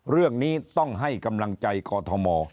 เรื่องนี้ต้องให้กำลังใจกอทม